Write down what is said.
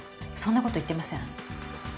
そんな事言ってません。